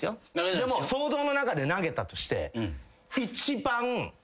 でも想像の中で投げたとして。